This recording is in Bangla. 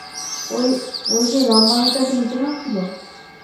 ওহ, ওইযে লম্বা মেয়েটা যে নিচে নাচছিল?